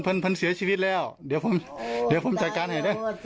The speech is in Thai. พันเสียชีวิตแล้วเดี๋ยวผมจัดการให้นะ